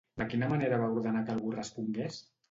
De quina manera va ordenar que algú respongués?